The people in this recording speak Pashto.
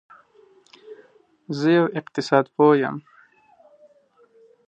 زه یو اقتصاد پوه یم